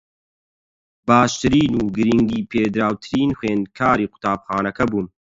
باشترین و گرنگی پێدراوترین خوێندکاری قوتابخانەکە بووم